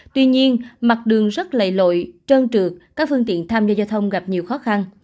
tuy nhiên mặt đường rất lầy lội trơn trượt các phương tiện tham gia gặp nhiều khó khăn